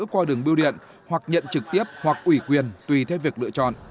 qua đường biêu điện hoặc nhận trực tiếp hoặc ủy quyền tùy theo việc lựa chọn